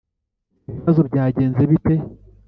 Ibibazo Byagenze bite